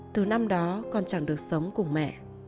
từ năm đó con chẳng được sống cùng mẹ